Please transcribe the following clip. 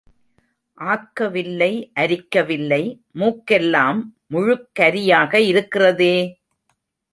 ஆக்கவில்லை, அரிக்கவில்லை மூக்கெல்லாம் முழுக்கரியாக இருக்கிறதே!